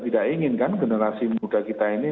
tidak inginkan generasi muda kita ini